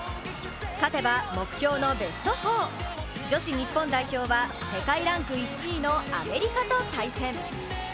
勝てば目標のベスト４、女子日本代表は世界ランク１位のアメリカと対戦。